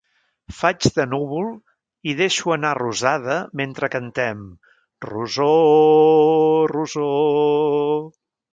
Faig de núvol i deixo anar rosada mentre cantem “Rosoooor, Rosooor”.